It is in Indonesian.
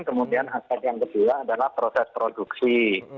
kemudian aspek yang kedua adalah proses produksi